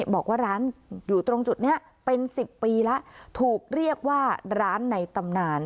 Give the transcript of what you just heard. บอกว่าร้านอยู่ตรงจุดนี้เป็น๑๐ปีแล้วถูกเรียกว่าร้านในตำนาน